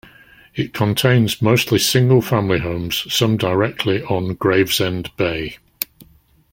It contains mostly single-family homes, some directly on Gravesend Bay.